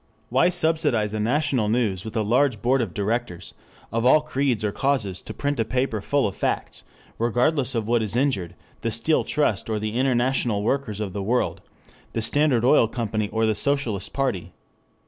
Why subsidize a "National News" with a large board of directors "of all creeds or causes" to print a paper full of facts "regardless of what is injured, the Steel Trust or the I. W. W., the Standard Oil Company or the Socialist Party?"